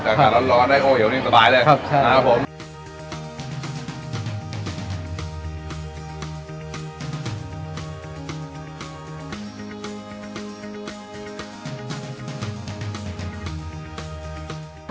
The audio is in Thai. จากการร้อนร้อนได้โอเหียวนิ่งสบายเลยครับใช่ครับนะครับผม